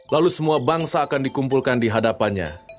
lalu semua bangsa akan dikumpulkan dihadapannya